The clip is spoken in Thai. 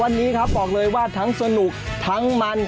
วันนี้ครับบอกเลยว่าทั้งสนุกทั้งมัน